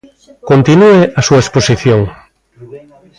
Continúe a súa exposición.